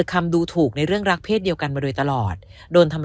คำดูถูกในเรื่องรักเศษเดียวกันมาโดยตลอดโดนทำร้าย